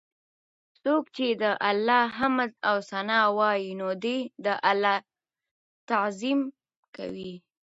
څوک چې د الله حمد او ثناء وايي، نو دی د الله تعظيم کوي